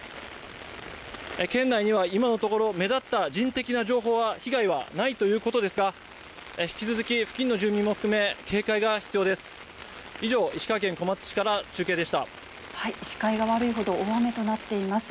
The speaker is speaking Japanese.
県内には今のところ、目立った人的な情報は、被害はないということですが、引き続き、付近の住民も含め、警戒が必要です。